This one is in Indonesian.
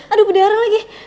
aduh berdarah lagi